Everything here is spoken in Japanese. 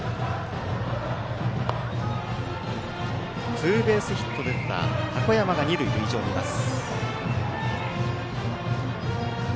ツーベースヒットで出た箱山が二塁塁上にいます。